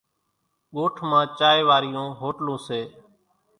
ڳوٺ مان چائيَ وارِيون هوٽلوُن سي۔